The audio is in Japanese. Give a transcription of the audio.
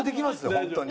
ホントに。